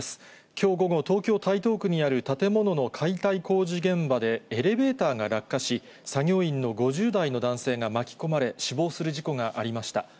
きょう午後、東京・台東区にある建物の解体工事現場で、エレベーターが落下し、作業員の５０代の男性が巻き込まれ、死亡する事故がありました。